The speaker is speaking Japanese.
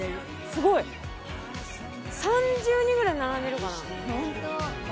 すごい３０人ぐらい並んでるかな